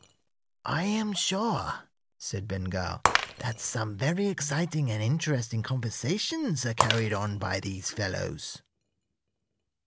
"I am sure," said Ben Gile, "that some very exciting and interesting conversations are carried on by these fellows."